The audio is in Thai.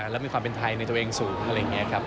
และมีความเป็นไทยในตัวเองสูง